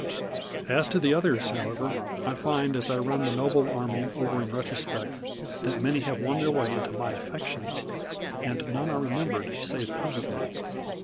As to the others, however, I find as I run the noble army over in retrospect that many have won their way into my affections, and none are remembered save pleasantly.